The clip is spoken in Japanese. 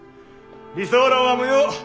理想論は無用。